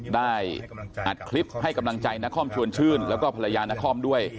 ได้อัดคลิปให้กำลังใจนครชวนชื่นแล้วก็ภรรยานครด้วย